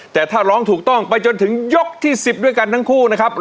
แต่ถ้าร้องถูกต้องไปจนถึงยกที่๑๐ด้วยกันทั้งคู่นะครับ